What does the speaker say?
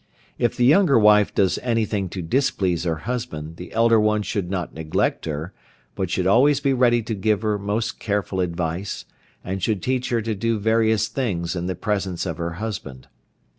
If the younger wife does anything to displease her husband the elder one should not neglect her, but should always be ready to give her most careful advice, and should teach her to do various things in the presence of her husband.